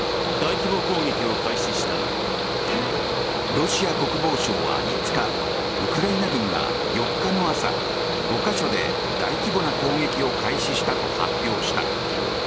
ロシア国防省は５日ウクライナ軍が４日の朝５か所で大規模な攻撃を開始したと発表した。